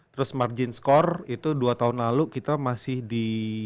terus margin score itu dua tahun lalu kita masih di